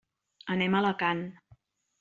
Anem a Alacant.